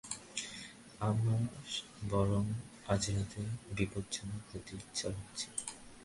আমার বরং আজরাতে বিপজ্জ্বনক হতে ইচ্ছা হচ্ছে।